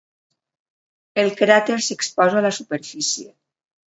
El cràter s'exposa a la superfície.